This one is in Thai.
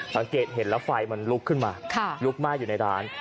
สังเกตเห็นแล้วไฟมันลุกขึ้นมาลุกไหม้อยู่ในร้าน